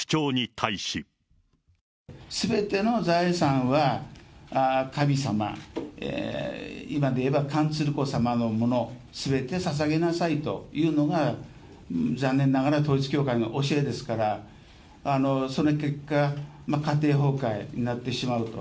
すべての財産は、神様、今でいえば、韓鶴子様のもの、すべてささげなさいというのが、残念ながら統一教会の教えですから、その結果、家庭崩壊になってしまうと。